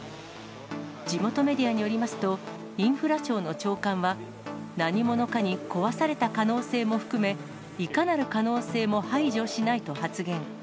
地元メディアによりますと、インフラ庁の長官は、何者かに壊された可能性も含め、いかなる可能性も排除しないと発言。